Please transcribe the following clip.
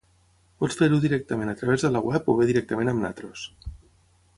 Pot fer-ho directament a través de la web o bé directament amb nosaltres.